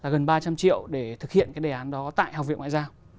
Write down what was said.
gần ba trăm linh triệu để thực hiện cái đề án đó tại học viện ngoại giao